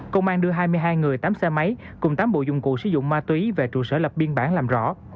công an đưa hai mươi hai người tám xe máy cùng tám bộ dụng cụ sử dụng ma túy về trụ sở lập biên bản làm rõ